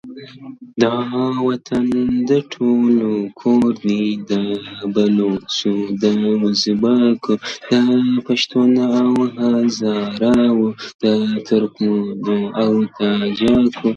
په نارو سول په تحسين سول اولسونه .!